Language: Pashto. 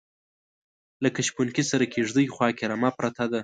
لکه شپونکي سره کیږدۍ خواکې رمه پرته ده